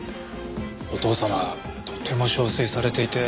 お父様とても憔悴されていて。